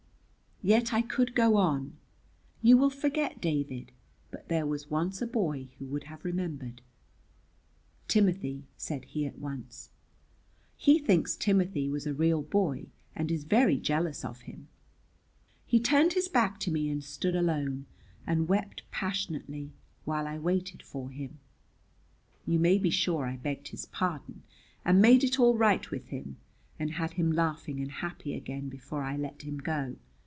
Yet I could go on. "You will forget, David, but there was once a boy who would have remembered." "Timothy?" said he at once. He thinks Timothy was a real boy, and is very jealous of him. He turned his back to me, and stood alone and wept passionately, while I waited for him. You may be sure I begged his pardon, and made it all right with him, and had him laughing and happy again before I let him go.